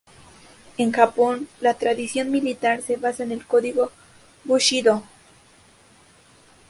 En Japón, la tradición militar se basa en el código bushidō.